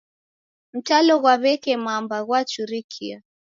Mtalo ghwa w'eke mamba ghwachurikie.